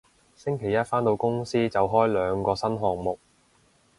星期一返到公司就開兩個新項目